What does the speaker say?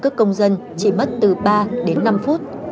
chỉ mất từ ba đến năm phút